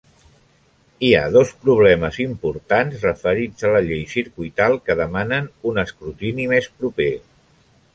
Hi ha dos problemes importants referits a la llei circuital que demanen un escrutini més proper.